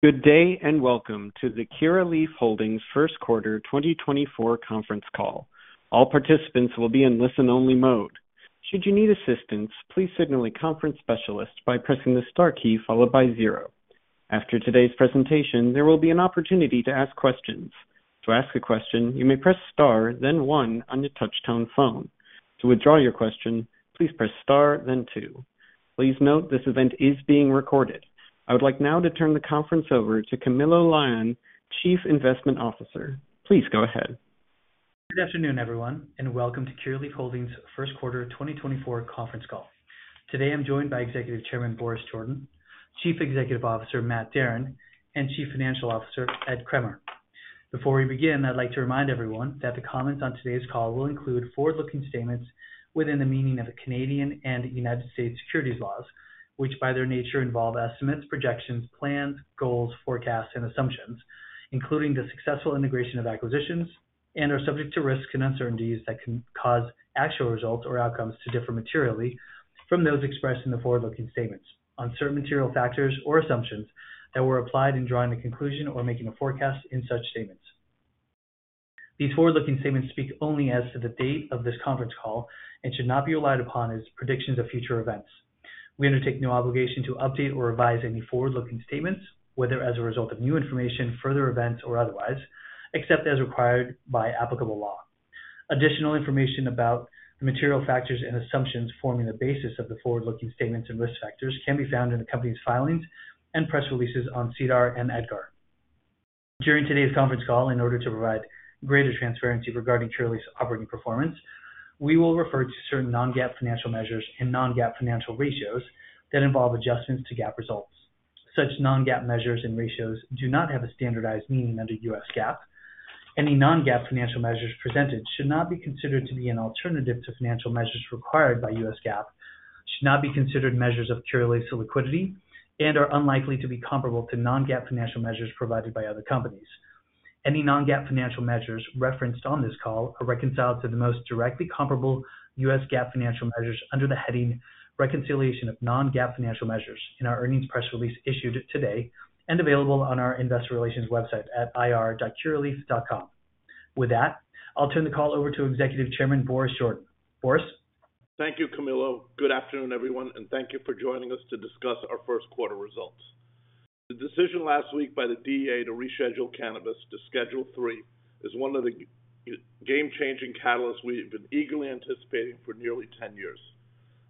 Good day and welcome to the Curaleaf Holdings first quarter 2024 conference call. All participants will be in listen-only mode. Should you need assistance, please signal a conference specialist by pressing the star key followed by zero. After today's presentation, there will be an opportunity to ask questions. To ask a question, you may press star, then one on your touch-tone phone. To withdraw your question, please press star, then two. Please note this event is being recorded. I would like now to turn the conference over to Camilo Lyon, Chief Investment Officer. Please go ahead. Good afternoon, everyone, and welcome to Curaleaf Holdings first quarter 2024 conference call. Today I'm joined by Executive Chairman Boris Jordan, Chief Executive Officer Matt Darin, and Chief Financial Officer Ed Kremer. Before we begin, I'd like to remind everyone that the comments on today's call will include forward-looking statements within the meaning of Canadian and United States securities laws, which by their nature involve estimates, projections, plans, goals, forecasts, and assumptions, including the successful integration of acquisitions and/or subject to risks and uncertainties that can cause actual results or outcomes to differ materially from those expressed in the forward-looking statements, uncertain material factors or assumptions that were applied in drawing a conclusion or making a forecast in such statements. These forward-looking statements speak only as to the date of this conference call and should not be relied upon as predictions of future events. We undertake no obligation to update or revise any forward-looking statements, whether as a result of new information, further events, or otherwise, except as required by applicable law. Additional information about the material factors and assumptions forming the basis of the forward-looking statements and risk factors can be found in the company's filings and press releases on SEDAR and EDGAR. During today's conference call, in order to provide greater transparency regarding Curaleaf's operating performance, we will refer to certain non-GAAP financial measures and non-GAAP financial ratios that involve adjustments to GAAP results. Such non-GAAP measures and ratios do not have a standardized meaning under U.S. GAAP. Any non-GAAP financial measures presented should not be considered to be an alternative to financial measures required by U.S. GAAP, should not be considered measures of Curaleaf's liquidity, and are unlikely to be comparable to non-GAAP financial measures provided by other companies. Any non-GAAP financial measures referenced on this call are reconciled to the most directly comparable U.S. GAAP financial measures under the heading "Reconciliation of Non-GAAP Financial Measures" in our earnings press release issued today and available on our investor relations website at ir.curaleaf.com. With that, I'll turn the call over to Executive Chairman Boris Jordan. Boris? Thank you, Camilo. Good afternoon, everyone, and thank you for joining us to discuss our first quarter results. The decision last week by the DEA to reschedule cannabis to Schedule III is one of the game-changing catalysts we've been eagerly anticipating for nearly 10 years.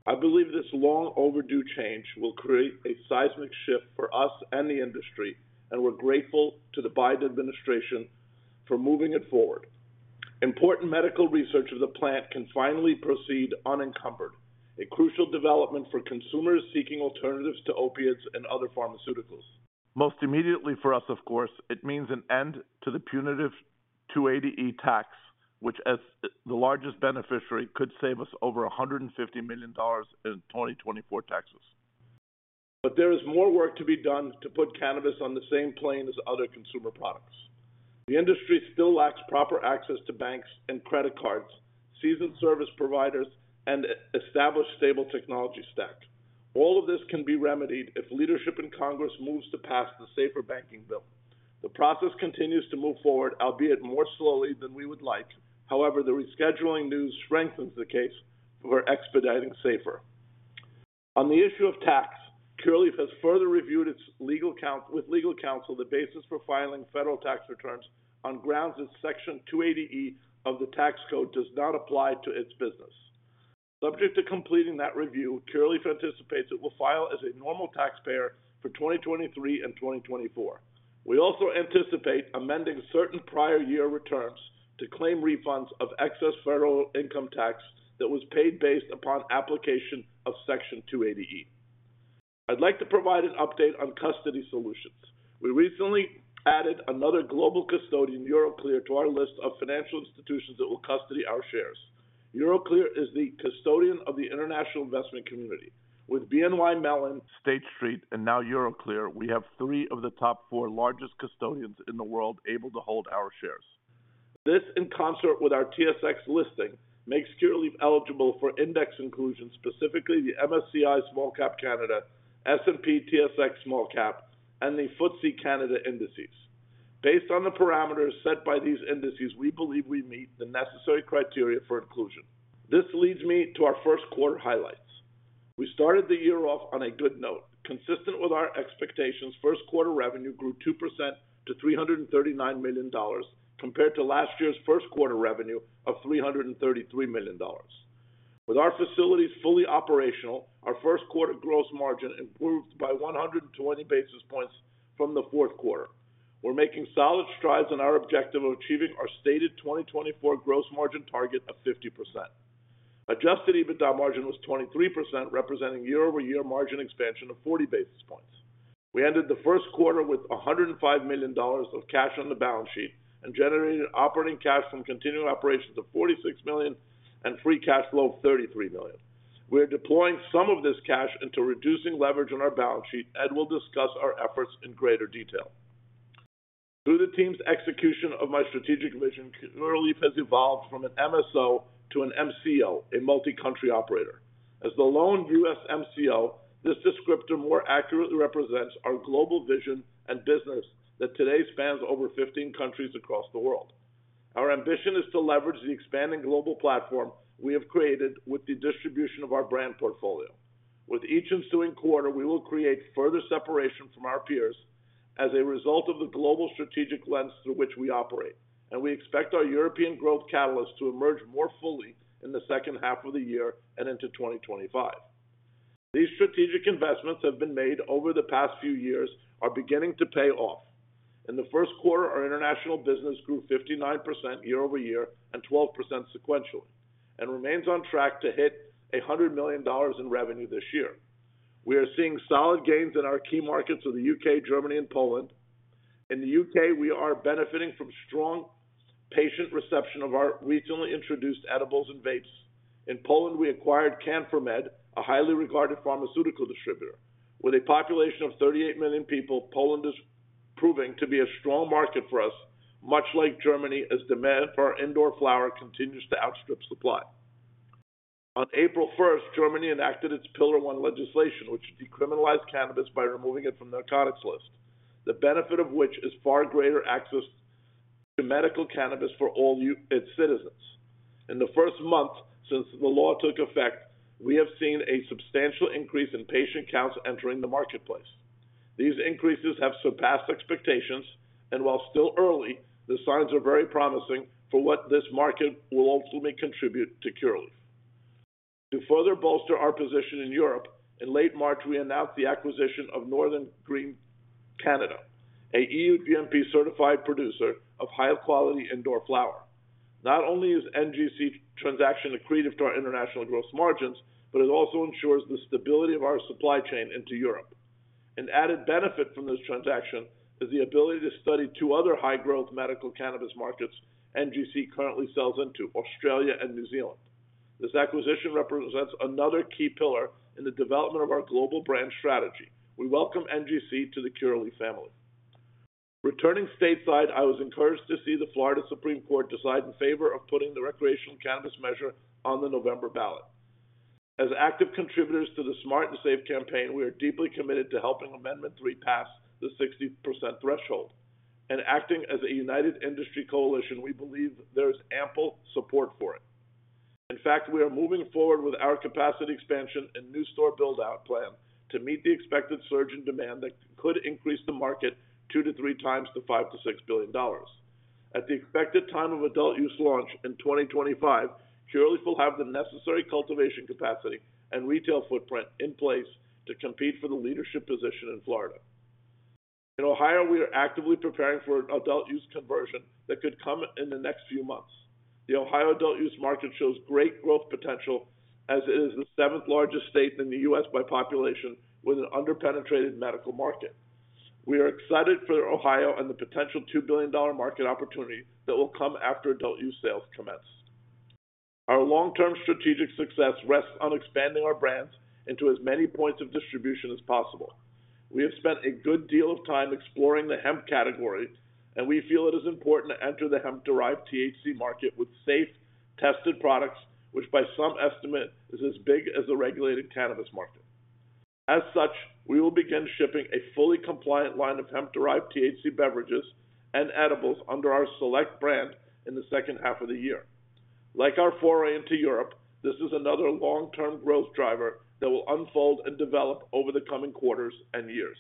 I believe this long-overdue change will create a seismic shift for us and the industry, and we're grateful to the Biden administration for moving it forward. Important medical research of the plant can finally proceed unencumbered, a crucial development for consumers seeking alternatives to opiates and other pharmaceuticals. Most immediately for us, of course, it means an end to the punitive 280E tax, which, as the largest beneficiary, could save us over $150 million in 2024 taxes. But there is more work to be done to put cannabis on the same plane as other consumer products. The industry still lacks proper access to banks and credit cards, seasoned service providers, and an established stable technology stack. All of this can be remedied if leadership in Congress moves to pass the Safer Banking Bill. The process continues to move forward, albeit more slowly than we would like. However, the rescheduling news strengthens the case for expediting Safer. On the issue of tax, Curaleaf has further reviewed with legal counsel the basis for filing federal tax returns on grounds that Section 280E of the Tax Code does not apply to its business. Subject to completing that review, Curaleaf anticipates it will file as a normal taxpayer for 2023 and 2024. We also anticipate amending certain prior-year returns to claim refunds of excess federal income tax that was paid based upon application of Section 280E. I'd like to provide an update on custody solutions. We recently added another global custodian, Euroclear, to our list of financial institutions that will custody our shares. Euroclear is the custodian of the international investment community. With BNY Mellon, State Street, and now Euroclear, we have three of the top four largest custodians in the world able to hold our shares. This, in concert with our TSX listing, makes Curaleaf eligible for index inclusion, specifically the MSCI Small Cap Canada, S&P TSX Small Cap, and the FTSE Canada indices. Based on the parameters set by these indices, we believe we meet the necessary criteria for inclusion. This leads me to our first quarter highlights. We started the year off on a good note. Consistent with our expectations, first quarter revenue grew 2% to $339 million compared to last year's first quarter revenue of $333 million. With our facilities fully operational, our first quarter gross margin improved by 120 basis points from the fourth quarter. We're making solid strides on our objective of achieving our stated 2024 gross margin target of 50%. Adjusted EBITDA margin was 23%, representing year-over-year margin expansion of 40 basis points. We ended the first quarter with $105 million of cash on the balance sheet and generated operating cash from continuing operations of $46 million and free cash flow of $33 million. We are deploying some of this cash into reducing leverage on our balance sheet, and we'll discuss our efforts in greater detail. Through the team's execution of my strategic vision, Curaleaf has evolved from an MSO to an MCO, a multi-country operator. As the lone U.S. MCO, this descriptor more accurately represents our global vision and business that today spans over 15 countries across the world. Our ambition is to leverage the expanding global platform we have created with the distribution of our brand portfolio. With each ensuing quarter, we will create further separation from our peers as a result of the global strategic lens through which we operate, and we expect our European growth catalysts to emerge more fully in the second half of the year and into 2025. These strategic investments have been made over the past few years, are beginning to pay off. In the first quarter, our international business grew 59% year-over-year and 12% sequentially, and remains on track to hit $100 million in revenue this year. We are seeing solid gains in our key markets of the U.K., Germany, and Poland. In the U.K., we are benefiting from strong, patient reception of our recently introduced edibles and vapes. In Poland, we acquired Can4Med, a highly regarded pharmaceutical distributor. With a population of 38 million people, Poland is proving to be a strong market for us, much like Germany, as demand for our indoor flower continues to outstrip supply. On April 1st, Germany enacted its Pillar One legislation, which decriminalized cannabis by removing it from the narcotics list, the benefit of which is far greater access to medical cannabis for all its citizens. In the first month since the law took effect, we have seen a substantial increase in patient counts entering the marketplace. These increases have surpassed expectations, and while still early, the signs are very promising for what this market will ultimately contribute to Curaleaf. To further bolster our position in Europe, in late March we announced the acquisition of Northern Green Canada, an EU GMP-certified producer of high-quality indoor flower. Not only is the NGC transaction accretive to our international gross margins, but it also ensures the stability of our supply chain into Europe. An added benefit from this transaction is the ability to supply two other high-growth medical cannabis markets NGC currently sells into: Australia and New Zealand. This acquisition represents another key pillar in the development of our global brand strategy. We welcome NGC to the Curaleaf family. Returning stateside, I was encouraged to see the Florida Supreme Court decide in favor of putting the recreational cannabis measure on the November ballot. As active contributors to the Smart and Safe campaign, we are deeply committed to helping Amendment III pass the 60% threshold, and acting as a united industry coalition, we believe there is ample support for it. In fact, we are moving forward with our capacity expansion and new store build-out plan to meet the expected surge in demand that could increase the market 2-3 times to $5-$6 billion. At the expected time of adult use launch in 2025, Curaleaf will have the necessary cultivation capacity and retail footprint in place to compete for the leadership position in Florida. In Ohio, we are actively preparing for an adult use conversion that could come in the next few months. The Ohio adult use market shows great growth potential, as it is the seventh largest state in the U.S. by population with an under-penetrated medical market. We are excited for Ohio and the potential $2 billion market opportunity that will come after adult use sales commence. Our long-term strategic success rests on expanding our brands into as many points of distribution as possible. We have spent a good deal of time exploring the hemp category, and we feel it is important to enter the hemp-derived THC market with safe, tested products, which by some estimate is as big as the regulated cannabis market. As such, we will begin shipping a fully compliant line of hemp-derived THC beverages and edibles under our Select brand in the second half of the year. Like our foray into Europe, this is another long-term growth driver that will unfold and develop over the coming quarters and years.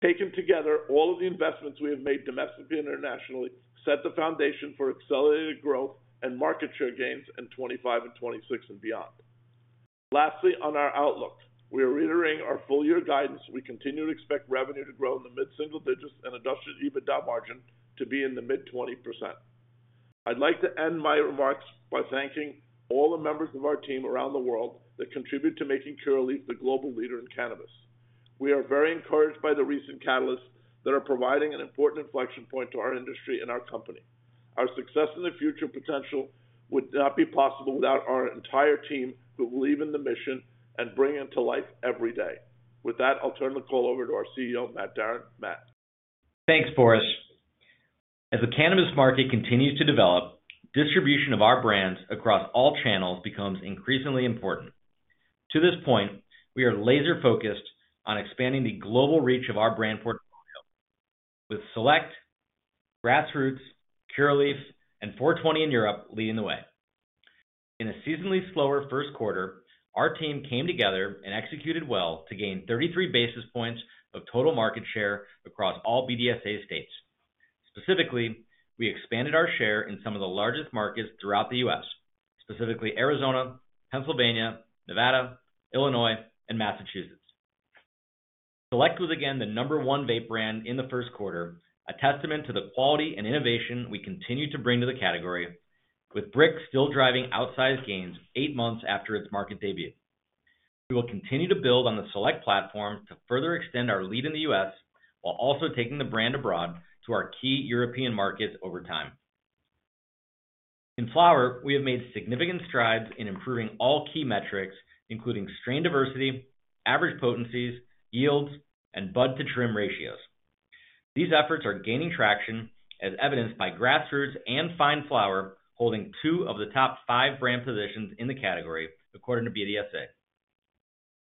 Taken together, all of the investments we have made domestically and internationally set the foundation for accelerated growth and market share gains in 2025 and 2026 and beyond. Lastly, on our outlook, we are reiterating our full-year guidance. We continue to expect revenue to grow in the mid-single digits and Adjusted EBITDA margin to be in the mid-20%. I'd like to end my remarks by thanking all the members of our team around the world that contribute to making Curaleaf the global leader in cannabis. We are very encouraged by the recent catalysts that are providing an important inflection point to our industry and our company. Our success in the future potential would not be possible without our entire team who believe in the mission and bring it to life every day. With that, I'll turn the call over to our CEO, Matt Darin. Matt. Thanks, Boris. As the cannabis market continues to develop, distribution of our brands across all channels becomes increasingly important. To this point, we are laser-focused on expanding the global reach of our brand portfolio, with Select, Grassroots, Curaleaf, and Four 20 in Europe leading the way. In a seasonally slower first quarter, our team came together and executed well to gain 33 basis points of total market share across all BDSA states. Specifically, we expanded our share in some of the largest markets throughout the U.S., specifically Arizona, Pennsylvania, Nevada, Illinois, and Massachusetts. Select was again the number one vape brand in the first quarter, a testament to the quality and innovation we continue to bring to the category, with Briq still driving outsized gains eight months after its market debut. We will continue to build on the Select platform to further extend our lead in the U.S. while also taking the brand abroad to our key European markets over time. In flower, we have made significant strides in improving all key metrics, including strain diversity, average potencies, yields, and bud-to-trim ratios. These efforts are gaining traction, as evidenced by Grassroots and Find holding two of the top five brand positions in the category according to BDSA.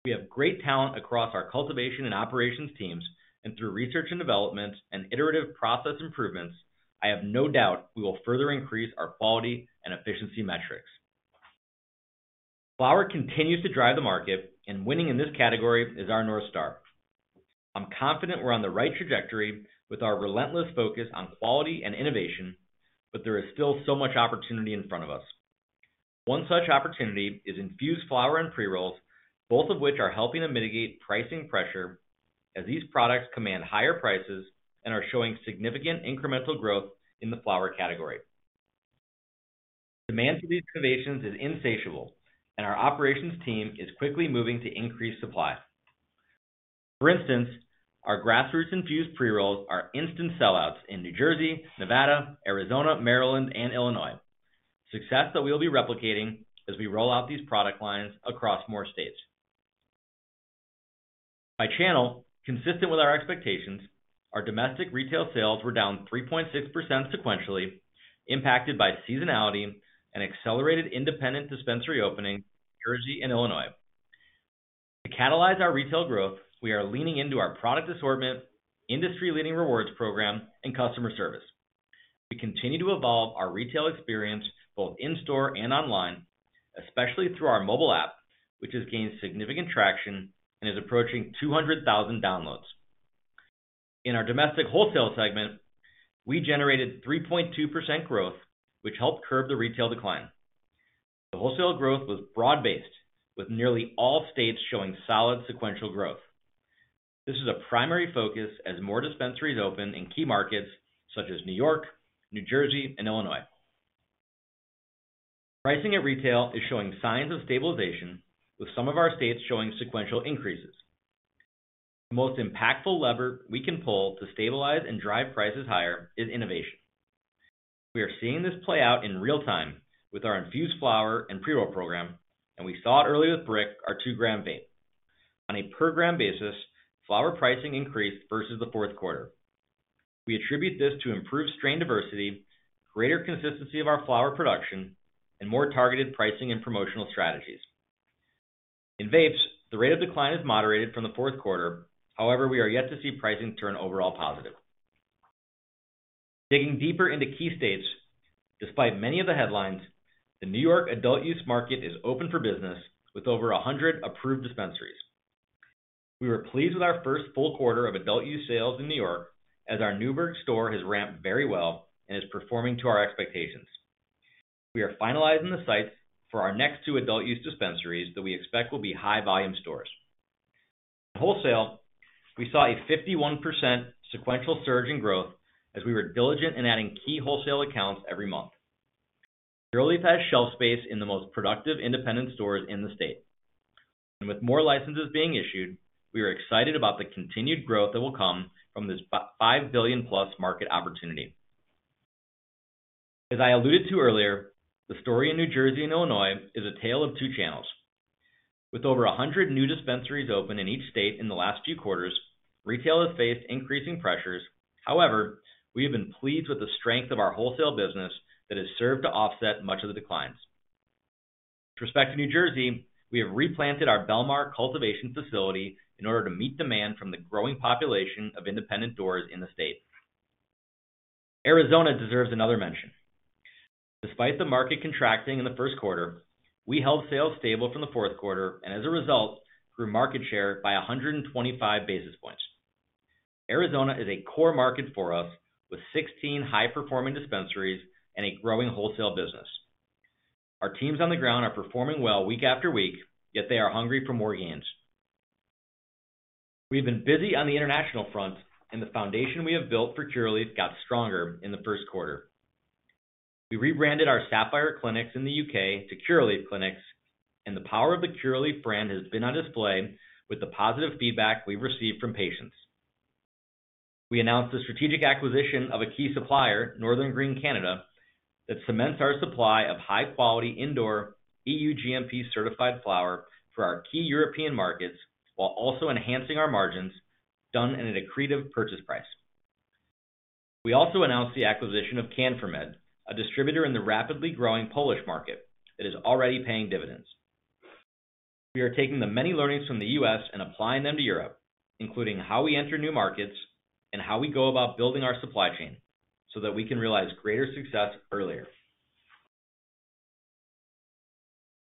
We have great talent across our cultivation and operations teams, and through research and development and iterative process improvements, I have no doubt we will further increase our quality and efficiency metrics. Flower continues to drive the market, and winning in this category is our North Star. I'm confident we're on the right trajectory with our relentless focus on quality and innovation, but there is still so much opportunity in front of us. One such opportunity is Infused Flower and Pre-rolls, both of which are helping to mitigate pricing pressure as these products command higher prices and are showing significant incremental growth in the flower category. Demand for these innovations is insatiable, and our operations team is quickly moving to increase supply. For instance, our Grassroots Infused Pre-rolls are instant sellouts in New Jersey, Nevada, Arizona, Maryland, and Illinois, success that we'll be replicating as we roll out these product lines across more states. By channel, consistent with our expectations, our domestic retail sales were down 3.6% sequentially, impacted by seasonality and accelerated independent dispensary opening in New Jersey and Illinois. To catalyze our retail growth, we are leaning into our product assortment, industry-leading rewards program, and customer service. We continue to evolve our retail experience both in-store and online, especially through our mobile app, which has gained significant traction and is approaching 200,000 downloads. In our domestic wholesale segment, we generated 3.2% growth, which helped curb the retail decline. The wholesale growth was broad-based, with nearly all states showing solid sequential growth. This is a primary focus as more dispensaries open in key markets such as New York, New Jersey, and Illinois. Pricing at retail is showing signs of stabilization, with some of our states showing sequential increases. The most impactful lever we can pull to stabilize and drive prices higher is innovation. We are seeing this play out in real time with our Infused Flower and Pre-roll program, and we saw it early with Brick, our two-gram vape. On a per-gram basis, flower pricing increased versus the fourth quarter. We attribute this to improved strain diversity, greater consistency of our flower production, and more targeted pricing and promotional strategies. In vapes, the rate of decline is moderated from the fourth quarter. However, we are yet to see pricing turn overall positive. Digging deeper into key states, despite many of the headlines, the New York adult use market is open for business with over 100 approved dispensaries. We were pleased with our first full quarter of adult use sales in New York, as our Newburgh store has ramped very well and is performing to our expectations. We are finalizing the sites for our next two adult use dispensaries that we expect will be high-volume stores. In wholesale, we saw a 51% sequential surge in growth as we were diligent in adding key wholesale accounts every month. Curaleaf has shelf space in the most productive independent stores in the state, and with more licenses being issued, we are excited about the continued growth that will come from this $5 billion-plus market opportunity. As I alluded to earlier, the story in New Jersey and Illinois is a tale of two channels. With over 100 new dispensaries open in each state in the last few quarters, retail has faced increasing pressures. However, we have been pleased with the strength of our wholesale business that has served to offset much of the declines. With respect to New Jersey, we have replanted our Belmar cultivation facility in order to meet demand from the growing population of independent doors in the state. Arizona deserves another mention. Despite the market contracting in the first quarter, we held sales stable from the fourth quarter and, as a result, grew market share by 125 basis points. Arizona is a core market for us, with 16 high-performing dispensaries and a growing wholesale business. Our teams on the ground are performing well week after week, yet they are hungry for more gains. We have been busy on the international front, and the foundation we have built for Curaleaf got stronger in the first quarter. We rebranded our Sapphire Clinics in the U.K. to Curaleaf Clinics, and the power of the Curaleaf brand has been on display with the positive feedback we've received from patients. We announced the strategic acquisition of a key supplier, Northern Green Canada, that cements our supply of high-quality indoor EU GMP-certified flower for our key European markets while also enhancing our margins, done at an accretive purchase price. We also announced the acquisition of Can4Med, a distributor in the rapidly growing Polish market that is already paying dividends. We are taking the many learnings from the U.S. and applying them to Europe, including how we enter new markets and how we go about building our supply chain so that we can realize greater success earlier.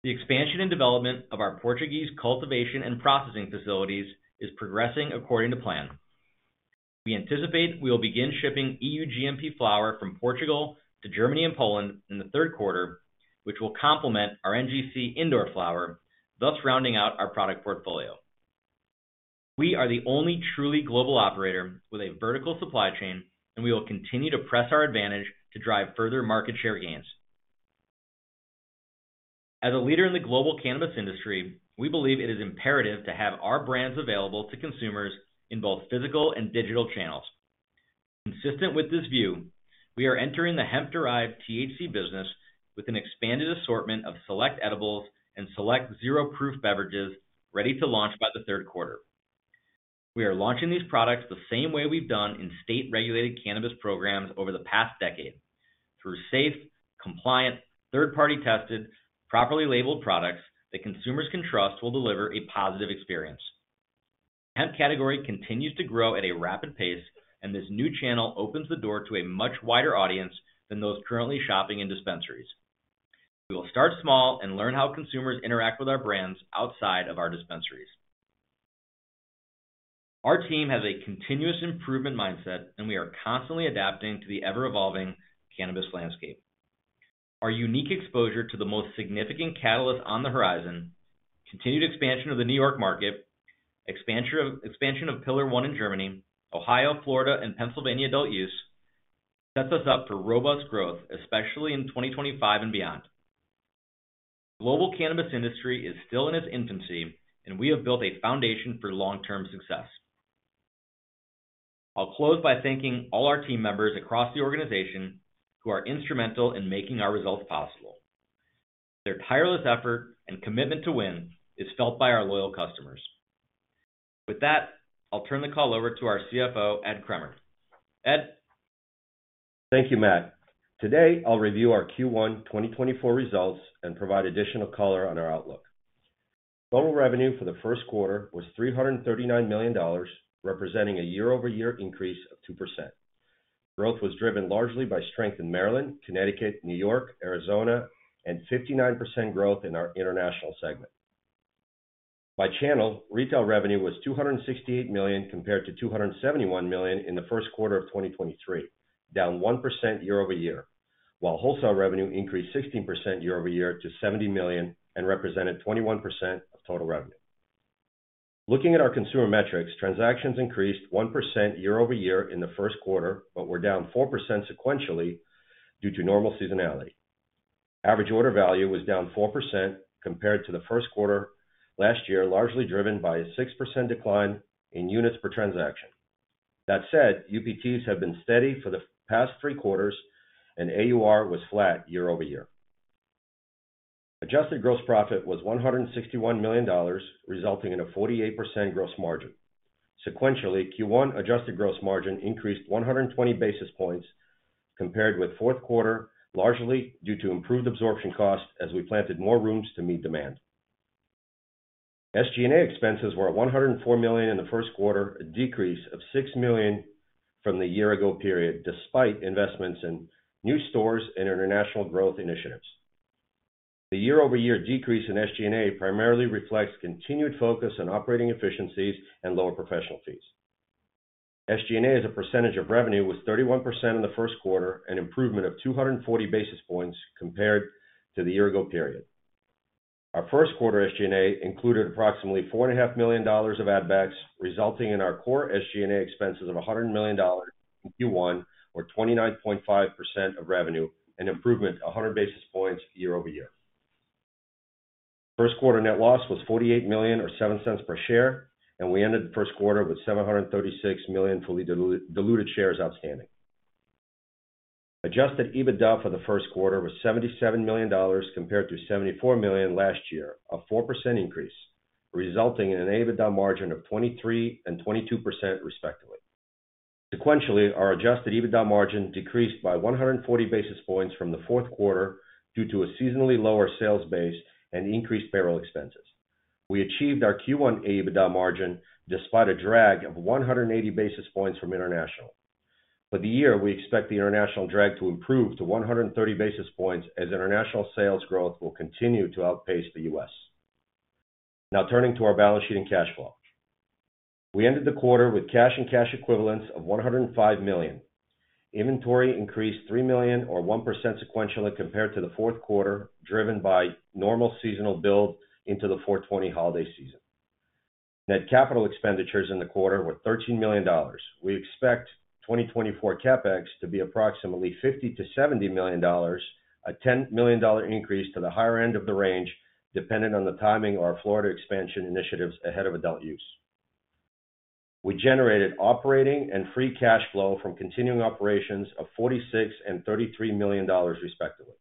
The expansion and development of our Portuguese cultivation and processing facilities is progressing according to plan. We anticipate we will begin shipping EU GMP flower from Portugal to Germany and Poland in the third quarter, which will complement our NGC indoor flower, thus rounding out our product portfolio. We are the only truly global operator with a vertical supply chain, and we will continue to press our advantage to drive further market share gains. As a leader in the global cannabis industry, we believe it is imperative to have our brands available to consumers in both physical and digital channels. Consistent with this view, we are entering the hemp-derived THC business with an expanded assortment of Select edibles and Select zero-proof beverages ready to launch by the third quarter. We are launching these products the same way we've done in state-regulated cannabis programs over the past decade: through safe, compliant, third-party-tested, properly labeled products that consumers can trust will deliver a positive experience. The hemp category continues to grow at a rapid pace, and this new channel opens the door to a much wider audience than those currently shopping in dispensaries. We will start small and learn how consumers interact with our brands outside of our dispensaries. Our team has a continuous improvement mindset, and we are constantly adapting to the ever-evolving cannabis landscape. Our unique exposure to the most significant catalysts on the horizon, continued expansion of the New York market, expansion of Pillar One in Germany, Ohio, Florida, and Pennsylvania adult use, sets us up for robust growth, especially in 2025 and beyond. The global cannabis industry is still in its infancy, and we have built a foundation for long-term success. I'll close by thanking all our team members across the organization who are instrumental in making our results possible. Their tireless effort and commitment to win is felt by our loyal customers. With that, I'll turn the call over to our CFO, Ed Kremer. Ed. Thank you, Matt. Today I'll review our Q1 2024 results and provide additional color on our outlook. Total revenue for the first quarter was $339 million, representing a year-over-year increase of 2%. Growth was driven largely by strength in Maryland, Connecticut, New York, Arizona, and 59% growth in our international segment. By channel, retail revenue was $268 million compared to $271 million in the first quarter of 2023, down 1% year-over-year, while wholesale revenue increased 16% year-over-year to $70 million and represented 21% of total revenue. Looking at our consumer metrics, transactions increased 1% year-over-year in the first quarter but were down 4% sequentially due to normal seasonality. Average order value was down 4% compared to the first quarter last year, largely driven by a 6% decline in units per transaction. That said, UPTs have been steady for the past three quarters, and AUR was flat year-over-year. Adjusted gross profit was $161 million, resulting in a 48% gross margin. Sequentially, Q1 adjusted gross margin increased 120 basis points compared with fourth quarter, largely due to improved absorption costs as we planted more rooms to meet demand. SG&A expenses were $104 million in the first quarter, a decrease of $6 million from the year-ago period despite investments in new stores and international growth initiatives. The year-over-year decrease in SG&A primarily reflects continued focus on operating efficiencies and lower professional fees. SG&A's percentage of revenue was 31% in the first quarter, an improvement of 240 basis points compared to the year-ago period. Our first quarter SG&A included approximately $4.5 million of add-backs, resulting in our core SG&A expenses of $100 million in Q1, or 29.5% of revenue, an improvement of 100 basis points year-over-year. First quarter net loss was $48.07 per share, and we ended the first quarter with 736 million fully diluted shares outstanding. Adjusted EBITDA for the first quarter was $77 million compared to $74 million last year, a 4% increase, resulting in an EBITDA margin of 23% and 22%, respectively. Sequentially, our adjusted EBITDA margin decreased by 140 basis points from the fourth quarter due to a seasonally lower sales base and increased payroll expenses. We achieved our Q1 EBITDA margin despite a drag of 180 basis points from international. For the year, we expect the international drag to improve to 130 basis points as international sales growth will continue to outpace the U.S. Now turning to our balance sheet and cash flow. We ended the quarter with cash and cash equivalents of $105 million. Inventory increased $3 million, or 1% sequentially compared to the fourth quarter, driven by normal seasonal build into the 4/20 holiday season. Net capital expenditures in the quarter were $13 million. We expect 2024 CapEx to be approximately $50-$70 million, a $10 million increase to the higher end of the range dependent on the timing of our Florida expansion initiatives ahead of adult use. We generated operating and free cash flow from continuing operations of $46 million and $33 million, respectively.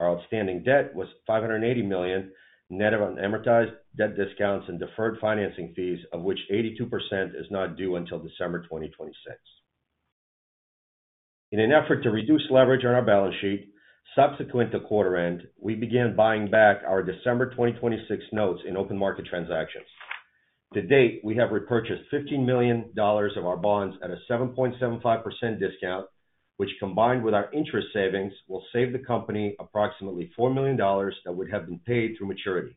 Our outstanding debt was $580 million, net of amortized debt discounts and deferred financing fees, of which 82% is not due until December 2026. In an effort to reduce leverage on our balance sheet, subsequent to quarter-end, we began buying back our December 2026 notes in open market transactions. To date, we have repurchased $15 million of our bonds at a 7.75% discount, which, combined with our interest savings, will save the company approximately $4 million that would have been paid through maturity.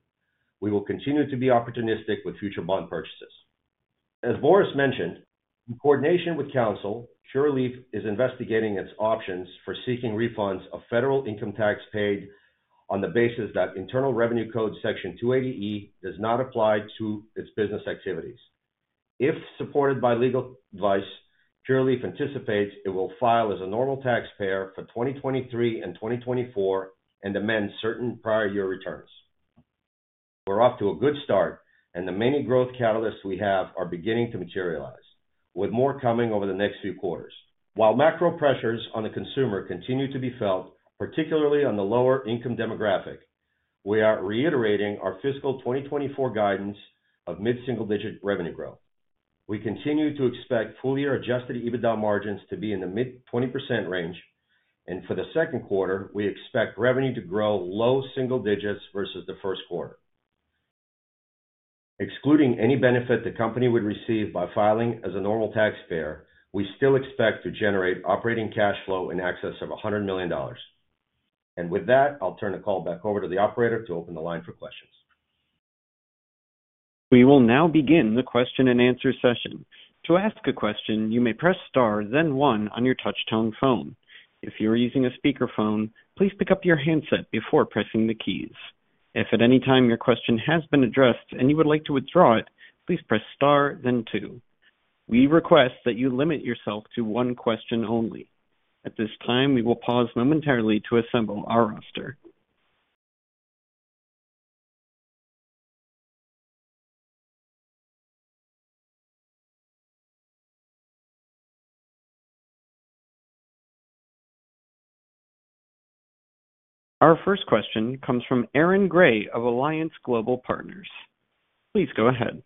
We will continue to be opportunistic with future bond purchases. As Boris mentioned, in coordination with counsel, Curaleaf is investigating its options for seeking refunds of federal income tax paid on the basis that Internal Revenue Code Section 280E does not apply to its business activities. If supported by legal advice, Curaleaf anticipates it will file as a normal taxpayer for 2023 and 2024 and amend certain prior-year returns. We're off to a good start, and the many growth catalysts we have are beginning to materialize, with more coming over the next few quarters. While macro pressures on the consumer continue to be felt, particularly on the lower-income demographic, we are reiterating our fiscal 2024 guidance of mid-single-digit revenue growth. We continue to expect full-year Adjusted EBITDA margins to be in the mid-20% range, and for the second quarter, we expect revenue to grow low single digits versus the first quarter. Excluding any benefit the company would receive by filing as a normal taxpayer, we still expect to generate operating cash flow in excess of $100 million. With that, I'll turn the call back over to the operator to open the line for questions. We will now begin the question-and-answer session. To ask a question, you may press star then one on your touch-tone phone. If you are using a speakerphone, please pick up your handset before pressing the keys. If at any time your question has been addressed and you would like to withdraw it, please press star then two. We request that you limit yourself to one question only. At this time, we will pause momentarily to assemble our roster. Our first question comes from Aaron Gray of Alliance Global Partners. Please go ahead.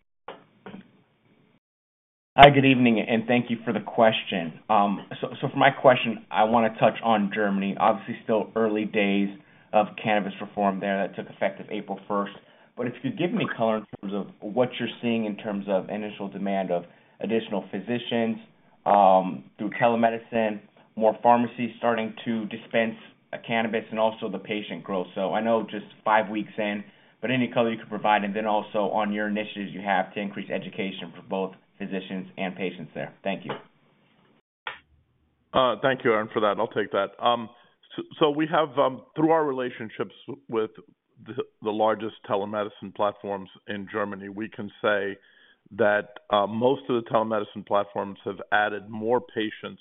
Hi, good evening, and thank you for the question. So for my question, I want to touch on Germany. Obviously, still early days of cannabis reform there that took effect of April 1st. But if you could give me color in terms of what you're seeing in terms of initial demand of additional physicians through telemedicine, more pharmacies starting to dispense cannabis, and also the patient growth? So I know just five weeks in, but any color you could provide? And then also on your initiatives, you have to increase education for both physicians and patients there. Thank you. Thank you, Aaron, for that. I'll take that. So through our relationships with the largest telemedicine platforms in Germany, we can say that most of the telemedicine platforms have added more patients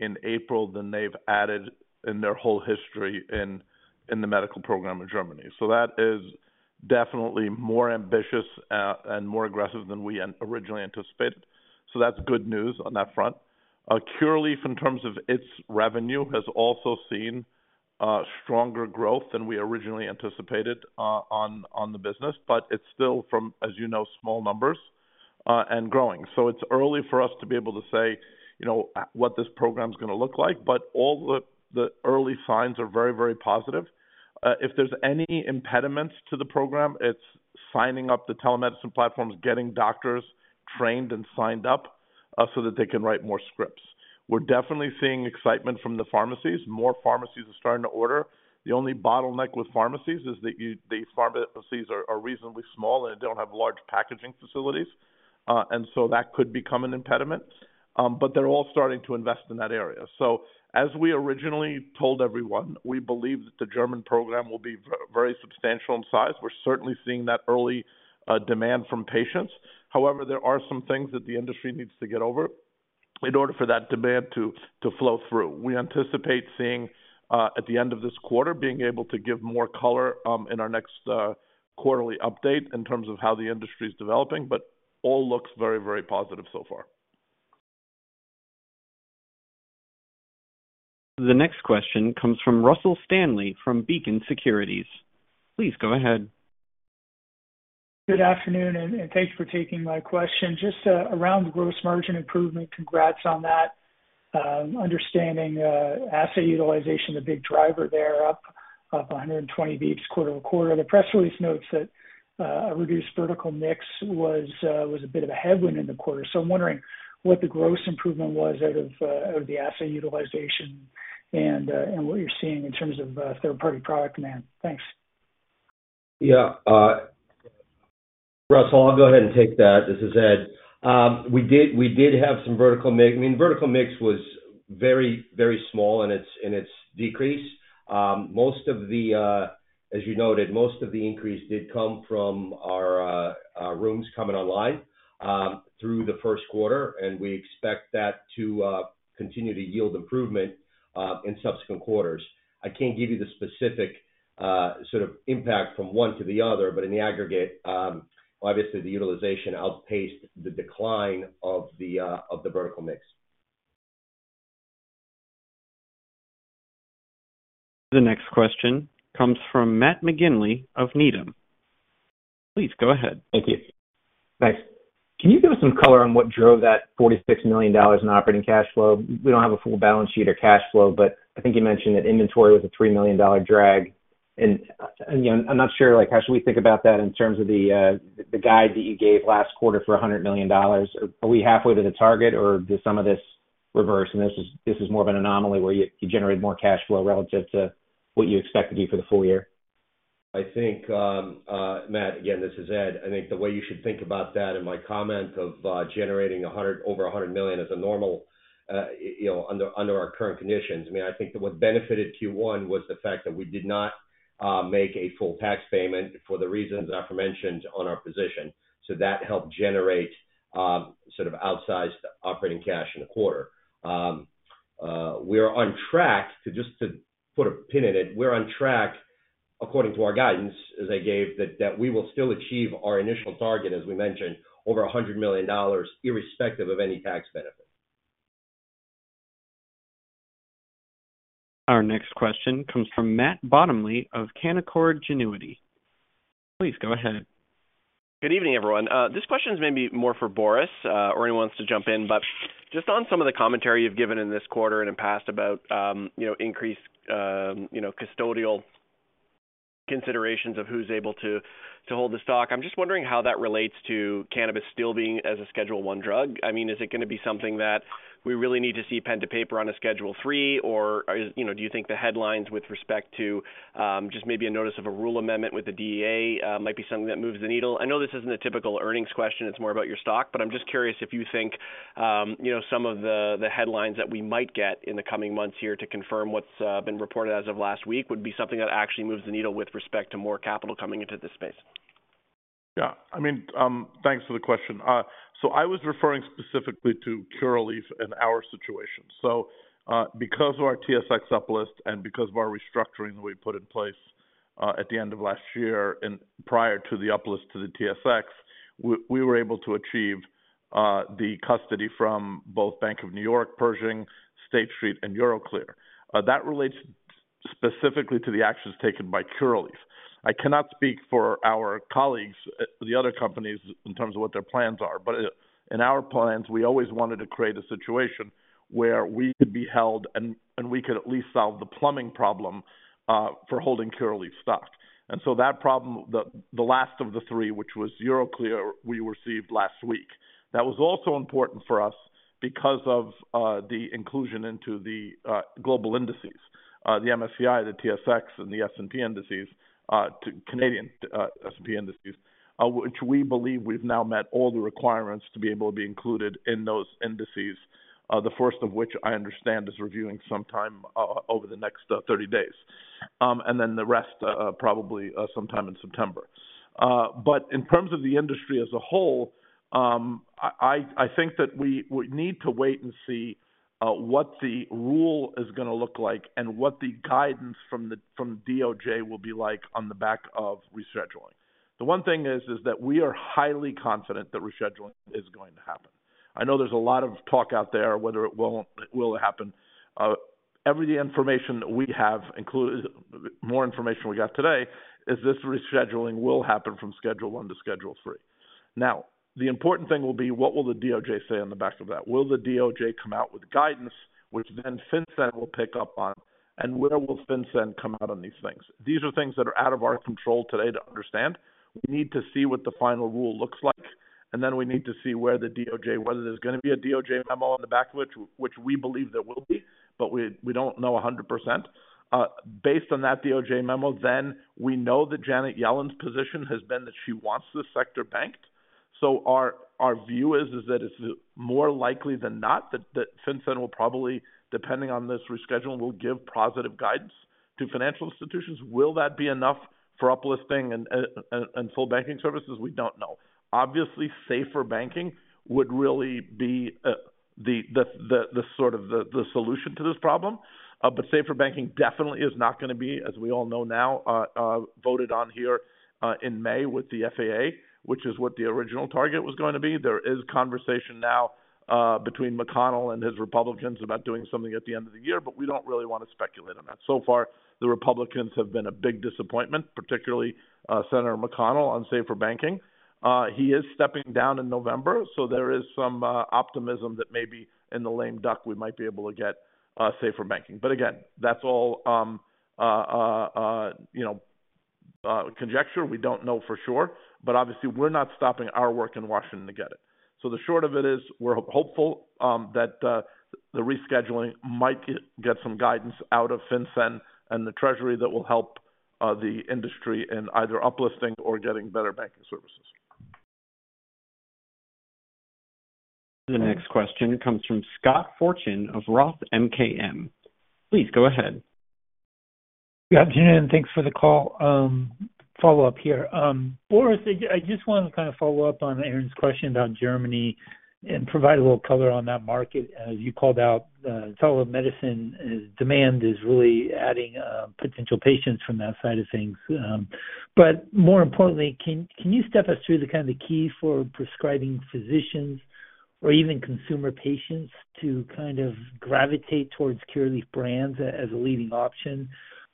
in April than they've added in their whole history in the medical program in Germany. So that is definitely more ambitious and more aggressive than we originally anticipated. So that's good news on that front. Curaleaf, in terms of its revenue, has also seen stronger growth than we originally anticipated on the business, but it's still, as you know, small numbers and growing. So it's early for us to be able to say what this program is going to look like, but all the early signs are very, very positive. If there's any impediments to the program, it's signing up the telemedicine platforms, getting doctors trained and signed up so that they can write more scripts. We're definitely seeing excitement from the pharmacies. More pharmacies are starting to order. The only bottleneck with pharmacies is that these pharmacies are reasonably small and they don't have large packaging facilities, and so that could become an impediment. But they're all starting to invest in that area. So as we originally told everyone, we believe that the German program will be very substantial in size. We're certainly seeing that early demand from patients. However, there are some things that the industry needs to get over in order for that demand to flow through. We anticipate seeing, at the end of this quarter, being able to give more color in our next quarterly update in terms of how the industry is developing, but all looks very, very positive so far. The next question comes from Russell Stanley from Beacon Securities. Please go ahead. Good afternoon, and thanks for taking my question. Just around the gross margin improvement, congrats on that. Understanding asset utilization, the big driver there, up 120 basis points quarter-over-quarter. The press release notes that a reduced vertical mix was a bit of a headwind in the quarter. I'm wondering what the gross improvement was out of the asset utilization and what you're seeing in terms of third-party product demand. Thanks. Yeah. Russell, I'll go ahead and take that. This is Ed. We did have some vertical mix. I mean, vertical mix was very, very small in its decrease. As you noted, most of the increase did come from our rooms coming online through the first quarter, and we expect that to continue to yield improvement in subsequent quarters. I can't give you the specific sort of impact from one to the other, but in the aggregate, obviously, the utilization outpaced the decline of the vertical mix. The next question comes from Matt McGinley of Needham. Please go ahead. Thank you. Thanks. Can you give us some color on what drove that $46 million in operating cash flow? We don't have a full balance sheet or cash flow, but I think you mentioned that inventory was a $3 million drag. And I'm not sure, how should we think about that in terms of the guide that you gave last quarter for $100 million? Are we halfway to the target, or does some of this reverse? And this is more of an anomaly where you generated more cash flow relative to what you expected to do for the full year? I think, Matt, again, this is Ed. I think the way you should think about that and my comment of generating over $100 million as a normal under our current conditions. I mean, I think that what benefited Q1 was the fact that we did not make a full tax payment for the reasons aforementioned on our position. So that helped generate sort of outsized operating cash in the quarter. We are on track, just to put a pin in it. We're on track, according to our guidance as I gave, that we will still achieve our initial target, as we mentioned, over $100 million irrespective of any tax benefit. Our next question comes from Matt Bottomley of Canaccord Genuity. Please go ahead. Good evening, everyone. This question is maybe more for Boris or anyone who wants to jump in, but just on some of the commentary you've given in this quarter and in past about increased custodial considerations of who's able to hold the stock, I'm just wondering how that relates to cannabis still being as a Schedule I drug. I mean, is it going to be something that we really need to see pen to paper on a Schedule III, or do you think the headlines with respect to just maybe a notice of a rule amendment with the DEA might be something that moves the needle? I know this isn't a typical earnings question. It's more about your stock, but I'm just curious if you think some of the headlines that we might get in the coming months here to confirm what's been reported as of last week would be something that actually moves the needle with respect to more capital coming into this space. Yeah. I mean, thanks for the question. So I was referring specifically to Curaleaf and our situation. So because of our TSX uplist and because of our restructuring that we put in place at the end of last year and prior to the uplist to the TSX, we were able to achieve the custody from both BNY Mellon, State Street, and Euroclear. That relates specifically to the actions taken by Curaleaf. I cannot speak for our colleagues, the other companies, in terms of what their plans are, but in our plans, we always wanted to create a situation where we could be held and we could at least solve the plumbing problem for holding Curaleaf stock. And so that problem, the last of the three, which was Euroclear, we received last week. That was also important for us because of the inclusion into the global indices, the MSCI, the TSX, and the S&P indices, Canadian S&P indices, which we believe we've now met all the requirements to be able to be included in those indices, the first of which, I understand, is reviewing sometime over the next 30 days, and then the rest probably sometime in September. But in terms of the industry as a whole, I think that we need to wait and see what the rule is going to look like and what the guidance from the DOJ will be like on the back of rescheduling. The one thing is that we are highly confident that rescheduling is going to happen. I know there's a lot of talk out there whether it will happen. Every information that we have, more information we got today, is this rescheduling will happen from Schedule I to Schedule III. Now, the important thing will be, what will the DOJ say on the back of that? Will the DOJ come out with guidance, which then FinCEN will pick up on? And where will FinCEN come out on these things? These are things that are out of our control today to understand. We need to see what the final rule looks like, and then we need to see where the DOJ, whether there's going to be a DOJ memo on the back of which, which we believe there will be, but we don't know 100%. Based on that DOJ memo, then we know that Janet Yellen's position has been that she wants this sector banked. So our view is that it's more likely than not that FinCEN will probably, depending on this rescheduling, will give positive guidance to financial institutions. Will that be enough for uplisting and full banking services? We don't know. Obviously, safer banking would really be the sort of the solution to this problem. But safer banking definitely is not going to be, as we all know now, voted on here in May with the FAA, which is what the original target was going to be. There is conversation now between McConnell and his Republicans about doing something at the end of the year, but we don't really want to speculate on that. So far, the Republicans have been a big disappointment, particularly Senator McConnell on safer banking. He is stepping down in November, so there is some optimism that maybe in the lame duck, we might be able to get Safer Banking. But again, that's all conjecture. We don't know for sure. But obviously, we're not stopping our work in Washington to get it. So the short of it is, we're hopeful that the rescheduling might get some guidance out of FinCEN and the Treasury that will help the industry in either uplisting or getting better banking services. The next question comes from Scott Fortune of Roth MKM. Please go ahead. Yeah, Gentlemen, thanks for the call. Follow-up here. Boris, I just want to kind of follow up on Aaron's question about Germany and provide a little color on that market. As you called out, telemedicine demand is really adding potential patients from that side of things. But more importantly, can you step us through the kind of the key for prescribing physicians or even consumer patients to kind of gravitate towards Curaleaf brands as a leading option?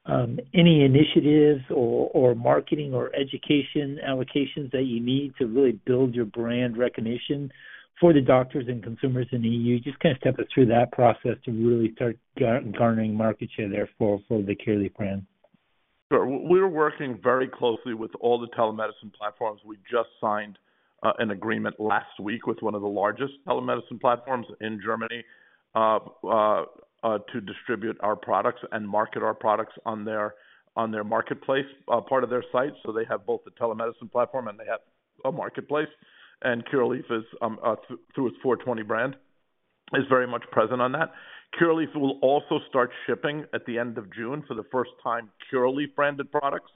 Any initiatives or marketing or education allocations that you need to really build your brand recognition for the doctors and consumers in the EU? Just kind of step us through that process to really start garnering market share there for the Curaleaf brand. Sure. We're working very closely with all the telemedicine platforms. We just signed an agreement last week with one of the largest telemedicine platforms in Germany to distribute our products and market our products on their marketplace, part of their site. So they have both the telemedicine platform and they have a marketplace. And Curaleaf, through its 420 brand, is very much present on that. Curaleaf will also start shipping at the end of June for the first time Curaleaf-branded products,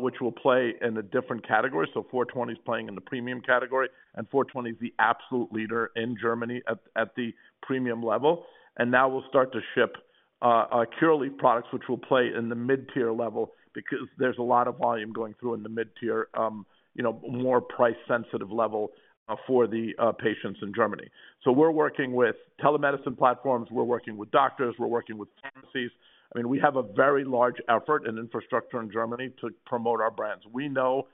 which will play in a different category. So 420 is playing in the premium category, and 420 is the absolute leader in Germany at the premium level. And now we'll start to ship Curaleaf products, which will play in the mid-tier level because there's a lot of volume going through in the mid-tier, more price-sensitive level for the patients in Germany. So we're working with telemedicine platforms. We're working with doctors. We're working with pharmacies. I mean, we have a very large effort and infrastructure in Germany to promote our brands. We know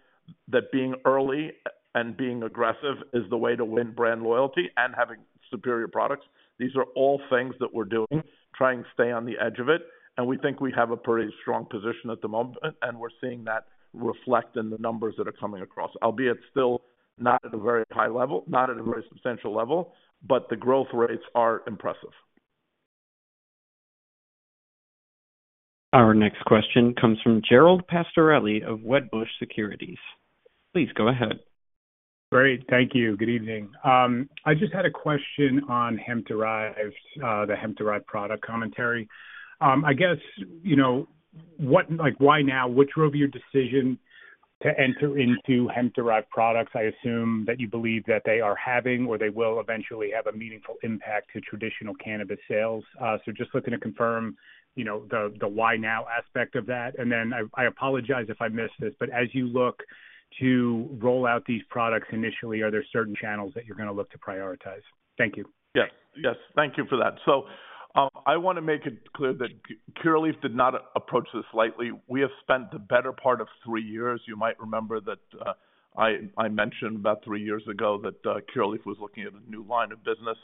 that being early and being aggressive is the way to win brand loyalty and having superior products. These are all things that we're doing, trying to stay on the edge of it. And we think we have a pretty strong position at the moment, and we're seeing that reflect in the numbers that are coming across, albeit still not at a very high level, not at a very substantial level, but the growth rates are impressive. Our next question comes from Gerald Pascarelli of Wedbush Securities. Please go ahead. Great. Thank you. Good evening. I just had a question on the hemp-derived product commentary. I guess, why now? What drove your decision to enter into hemp-derived products? I assume that you believe that they are having or they will eventually have a meaningful impact to traditional cannabis sales. So just looking to confirm the why now aspect of that. And then I apologize if I missed this, but as you look to roll out these products initially, are there certain channels that you're going to look to prioritize? Thank you. Yes. Yes. Thank you for that. So I want to make it clear that Curaleaf did not approach this lightly. We have spent the better part of three years. You might remember that I mentioned about three years ago that Curaleaf was looking at a new line of business,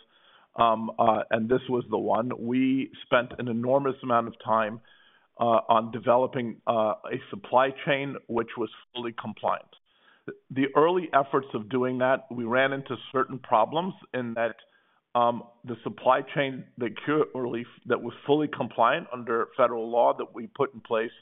and this was the one. We spent an enormous amount of time on developing a supply chain, which was fully compliant. The early efforts of doing that, we ran into certain problems in that the supply chain that Curaleaf, that was fully compliant under federal law that we put in place,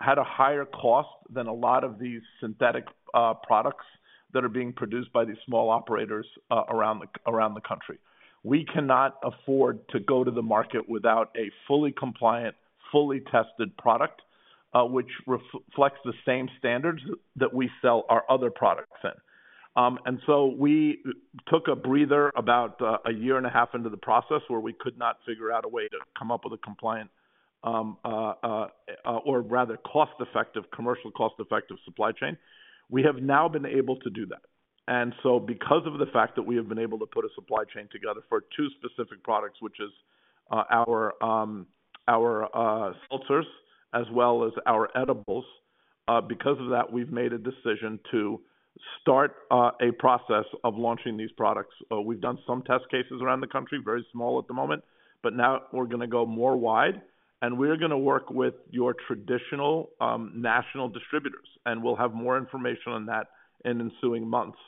had a higher cost than a lot of these synthetic products that are being produced by these small operators around the country. We cannot afford to go to the market without a fully compliant, fully tested product, which reflects the same standards that we sell our other products in. We took a breather about a year and a half into the process where we could not figure out a way to come up with a compliant or rather commercial cost-effective supply chain. We have now been able to do that. Because of the fact that we have been able to put a supply chain together for two specific products, which is our seltzers as well as our edibles, because of that, we've made a decision to start a process of launching these products. We've done some test cases around the country, very small at the moment, but now we're going to go more wide, and we're going to work with your traditional national distributors. We'll have more information on that in ensuing months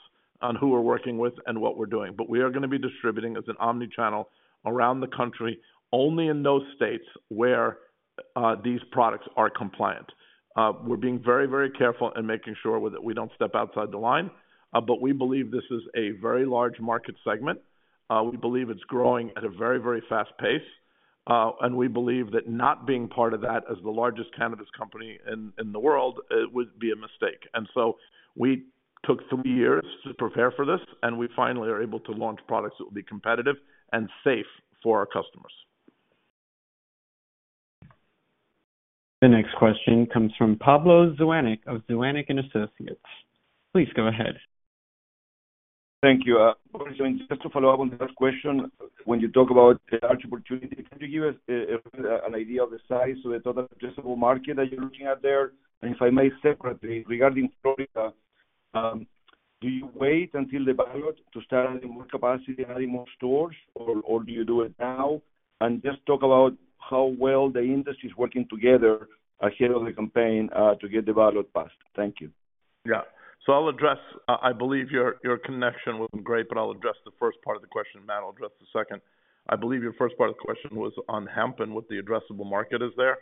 on who we're working with and what we're doing. We are going to be distributing as an omnichannel around the country, only in those states where these products are compliant. We're being very, very careful in making sure that we don't step outside the line. We believe this is a very large market segment. We believe it's growing at a very, very fast pace. We believe that not being part of that as the largest cannabis company in the world would be a mistake. We took three years to prepare for this, and we finally are able to launch products that will be competitive and safe for our customers. The next question comes from Pablo Zuanic of Zuanic & Associates. Please go ahead. Thank you. Boris Jordan, just to follow up on that question, when you talk about the large opportunity, can you give us an idea of the size of the total addressable market that you're looking at there? And if I may separately, regarding Florida, do you wait until the ballot to start adding more capacity, adding more stores, or do you do it now? And just talk about how well the industry is working together ahead of the campaign to get the ballot passed. Thank you. Yeah. So I'll address, I believe, your connection wasn't great, but I'll address the first part of the question. Matt, I'll address the second. I believe your first part of the question was on Hemp and what the addressable market is there.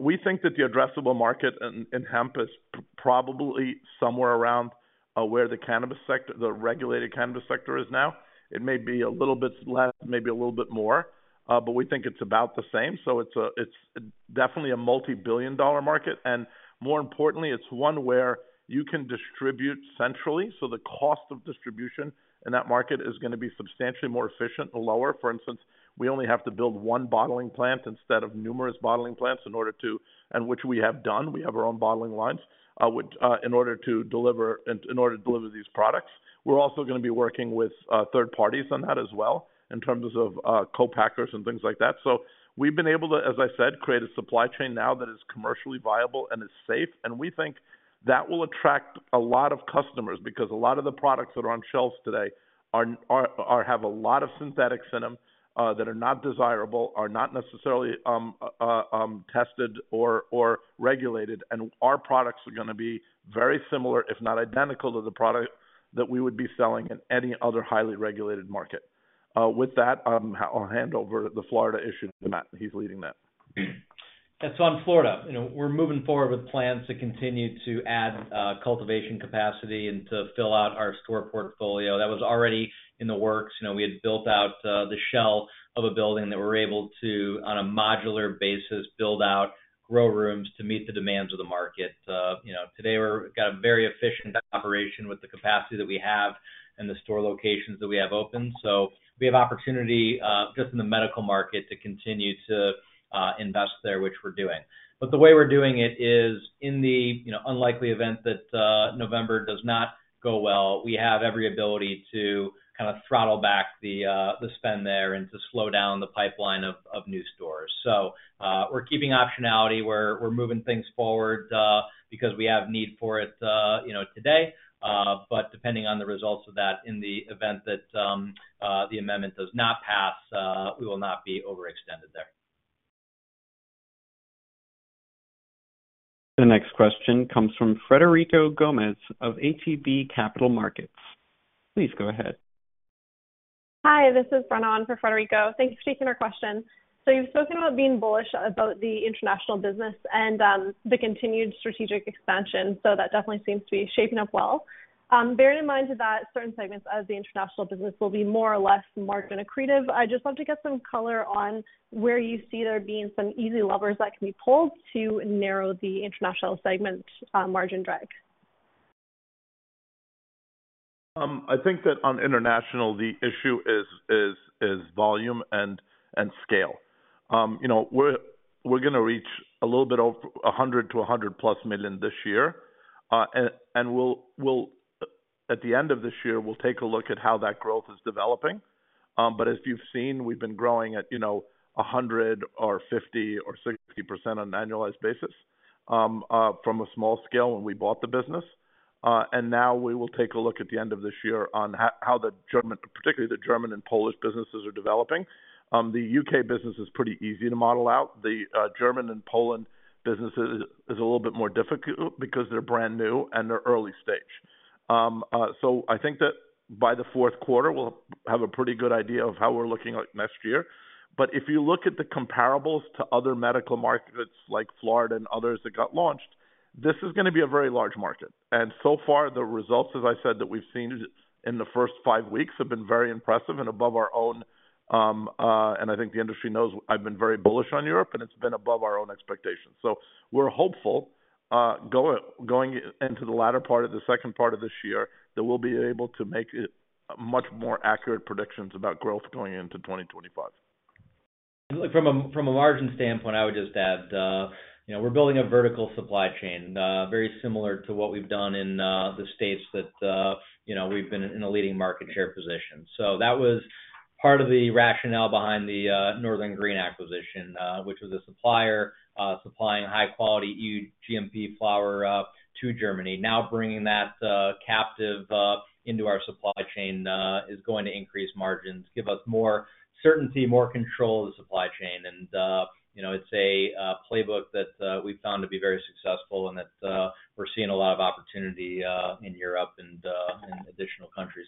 We think that the addressable market in Hemp is probably somewhere around where the regulated cannabis sector is now. It may be a little bit less, maybe a little bit more, but we think it's about the same. So it's definitely a multi-billion dollar market. And more importantly, it's one where you can distribute centrally. So the cost of distribution in that market is going to be substantially more efficient, lower. For instance, we only have to build one bottling plant instead of numerous bottling plants in order to, and which we have done. We have our own bottling lines in order to deliver these products. We're also going to be working with third parties on that as well in terms of co-packers and things like that. So we've been able to, as I said, create a supply chain now that is commercially viable and is safe. And we think that will attract a lot of customers because a lot of the products that are on shelves today have a lot of synthetic cannabinoids that are not desirable, are not necessarily tested or regulated. And our products are going to be very similar, if not identical, to the product that we would be selling in any other highly regulated market. With that, I'll hand over the Florida issue to Matt. He's leading that. Yeah. So on Florida, we're moving forward with plans to continue to add cultivation capacity and to fill out our store portfolio. That was already in the works. We had built out the shell of a building that we were able to, on a modular basis, build out grow rooms to meet the demands of the market. Today, we've got a very efficient operation with the capacity that we have and the store locations that we have open. So we have opportunity just in the medical market to continue to invest there, which we're doing. But the way we're doing it is, in the unlikely event that November does not go well, we have every ability to kind of throttle back the spend there and to slow down the pipeline of new stores. So we're keeping optionality. We're moving things forward because we have need for it today. But depending on the results of that, in the event that the amendment does not pass, we will not be overextended there. The next question comes from Frederico Gomes of ATB Capital Markets. Please go ahead. Hi. This is Brenna for Frederico. Thank you for taking our question. So you've spoken about being bullish about the international business and the continued strategic expansion. So that definitely seems to be shaping up well. Bearing in mind that certain segments of the international business will be more or less margin accretive, I just want to get some color on where you see there being some easy levers that can be pulled to narrow the international segment margin drag. I think that on international, the issue is volume and scale. We're going to reach a little bit over $100 to $100+ million this year. At the end of this year, we'll take a look at how that growth is developing. But as you've seen, we've been growing at 100%, 50%, or 60% on an annualized basis from a small scale when we bought the business. Now we will take a look at the end of this year on how particularly the German and Polish businesses are developing. The UK business is pretty easy to model out. The German and Polish business is a little bit more difficult because they're brand new and they're early stage. So I think that by the fourth quarter, we'll have a pretty good idea of how we're looking at next year. But if you look at the comparables to other medical markets like Florida and others that got launched, this is going to be a very large market. And so far, the results, as I said, that we've seen in the first five weeks have been very impressive and above our own. And I think the industry knows I've been very bullish on Europe, and it's been above our own expectations. So we're hopeful going into the latter part of the second part of this year that we'll be able to make much more accurate predictions about growth going into 2025. From a margin standpoint, I would just add we're building a vertical supply chain, very similar to what we've done in the states that we've been in a leading market share position. So that was part of the rationale behind the Northern Green acquisition, which was a supplier supplying high-quality EU GMP flower to Germany. Now bringing that captive into our supply chain is going to increase margins, give us more certainty, more control of the supply chain. And it's a playbook that we've found to be very successful and that we're seeing a lot of opportunity in Europe and additional countries.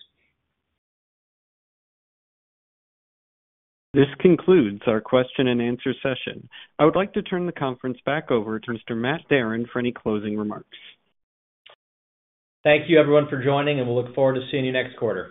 This concludes our question-and-answer session. I would like to turn the conference back over to Mr. Matt Darin for any closing remarks. Thank you, everyone, for joining, and we'll look forward to seeing you next quarter.